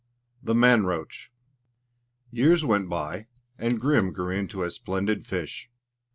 VI: THE MAN ROACH Years went by; and Grim grew into a splendid fish.